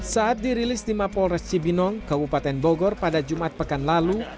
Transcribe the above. saat dirilis di mapolres cibinong kabupaten bogor pada jumat pekan lalu